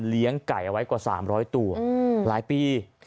ไก่เอาไว้กว่า๓๐๐ตัวหลายปี